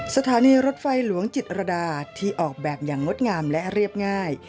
สถานีรถไฟหลวงจิตรดาที่ออกแบบอย่างงดงามและเรียบง่าย